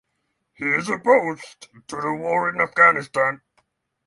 He is opposed to the war in Afghanistan.